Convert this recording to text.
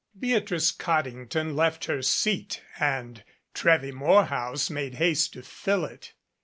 Beatrice Cod dington left her seat, and Trewy Morehouse made haste to fill it.